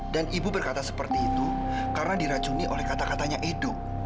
dan ibu berkata seperti itu karena diracuni oleh kata katanya edo